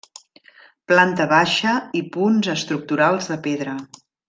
Planta baixa i punts estructurals de pedra.